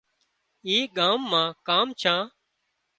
اِي ڳام مان ڪام ڇان